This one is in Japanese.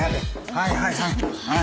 はいはいはい。